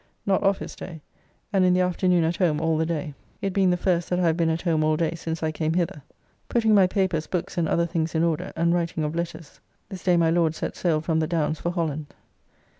Not office day, and in the afternoon at home all the day, it being the first that I have been at home all day since I came hither. Putting my papers, books and other things in order, and writing of letters. This day my Lord set sail from the Downs for Holland.